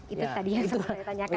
itu tadi yang sempat saya tanyakan